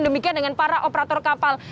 demikian dengan para operator kapal